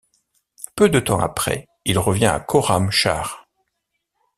Peu de temps après, il revient à Khorramshahr.